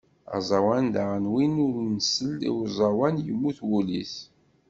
Aẓawan daɣen win ur nsell i uẓawan yemmut wul-is.